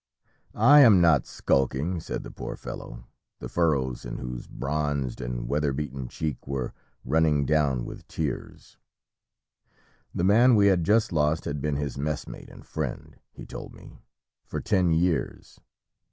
'I am not skulking,' said the poor fellow, the furrows in whose bronzed and weatherbeaten cheek were running down with tears. The man we had just lost had been his messmate and friend, he told me, for ten years.